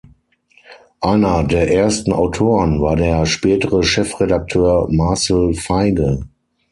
Einer der ersten Autoren war der spätere Chefredakteur Marcel Feige.